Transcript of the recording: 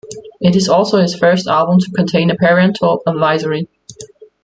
It is also his first album to contain a parental advisory.